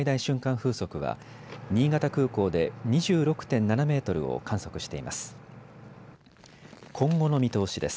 風速は新潟空港で２６．７メートルを観測しています。